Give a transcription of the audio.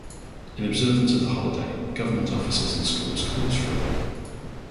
In observance of the holiday, government offices and schools close for a day.